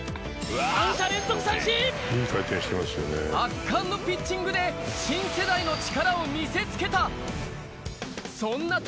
圧巻のピッチングで、新世代の力を見せつけた。